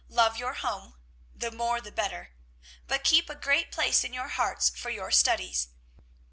Love your home the more the better; but keep a great place in your hearts for your studies.